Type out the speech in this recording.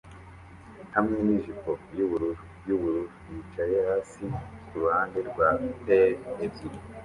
hamwe nijipo yubururu yubururu yicaye hasi kuruhande rwa pail ebyiri